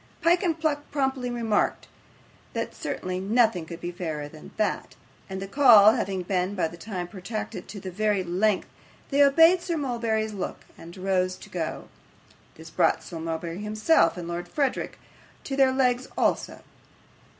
Pyke and Pluck promptly remarked that certainly nothing could be fairer than that; and the call having been by this time protracted to a very great length, they obeyed Sir Mulberry's look, and rose to go. This brought Sir Mulberry himself and Lord Verisopht on their legs also.